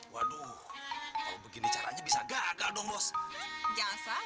waduh begini caranya bisa gagal dong